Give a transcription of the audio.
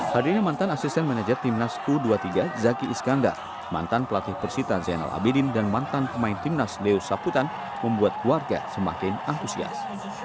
hadirnya mantan asisten manajer timnas u dua puluh tiga zaki iskandar mantan pelatih persita zainal abidin dan mantan pemain timnas leo saputan membuat keluarga semakin antusias